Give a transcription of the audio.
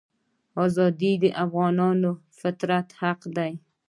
ازادي د افغانانو فطري حق دی.